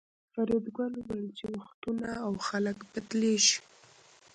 فریدګل وویل چې وختونه او خلک بدلیږي